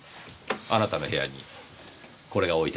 あなたの部屋にこれが置いてありました。